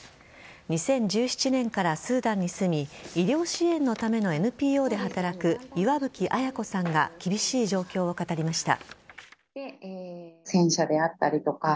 ２０１７年からスーダンに住み医療支援のためのＮＰＯで働く岩吹綾子さんが厳しい状況を語りました。